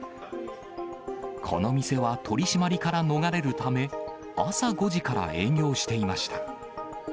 この店は取締りから逃れるため、朝５時から営業していました。